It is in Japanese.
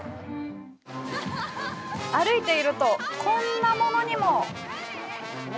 歩いてると、こんなものにも！